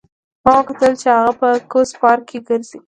ما وکتل چې هغه په کوز پارک کې ګرځي